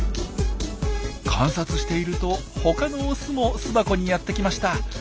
観察していると他のオスも巣箱にやって来ました。